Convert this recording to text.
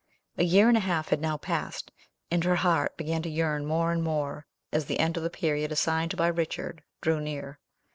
A year and a half had now passed, and her heart began to yearn more and more as the end of the period assigned by Richard drew near.